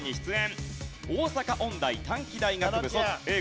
大阪音大短期大学部卒Ａぇ！